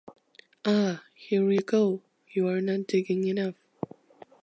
Ah! Here you go! You’re not digging enough.